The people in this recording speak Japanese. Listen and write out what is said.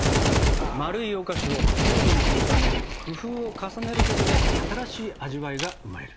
丸いお菓子をキューブにするため工夫を重ねることで新しい味わいが生まれる。